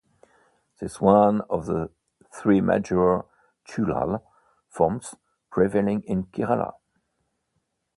This one of the three major "thullal" forms prevailing in Kerala.